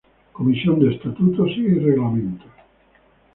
Comisión de Estatutos y Reglamentos.